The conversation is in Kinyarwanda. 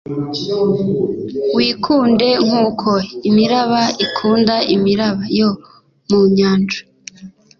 Wikunde nkuko imiraba ikunda imiraba yo mu nyanja